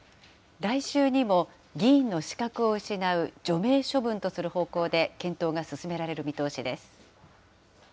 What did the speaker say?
来週にも議員の資格を失う除名処分とする方向で検討が進められる見通しです。